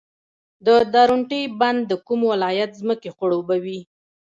د درونټې بند د کوم ولایت ځمکې خړوبوي؟